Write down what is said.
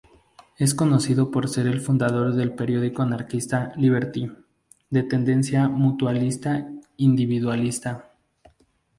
Es conocido por ser el fundador del periódico anarquista "Liberty", de tendencia mutualista-individualista.